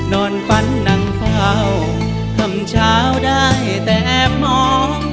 นอนฝันนั่งเฝ้าคำเช้าได้แต่มอง